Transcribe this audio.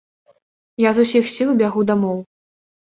Я з усіх сіл бягу дамоў.